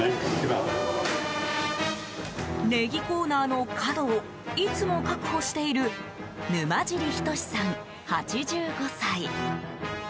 ネギコーナーの角をいつも確保している沼尻均さん、８５歳。